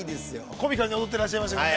◆コミカルに踊ってらっしゃいましたけどね。